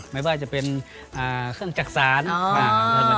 ไม่ว่าจะเป็นเครื่องจักษาน